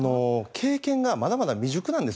経験がまだまだ未熟なんです